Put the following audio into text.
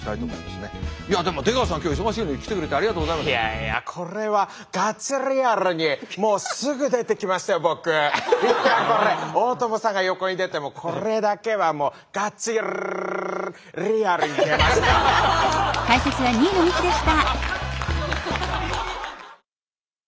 いやこれ大友さんが横にいててもこれだけはもうガチリアルに出ました。